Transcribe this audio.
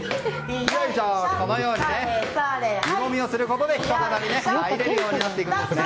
このように湯もみをすることでお湯に入れるようになっていくんですね。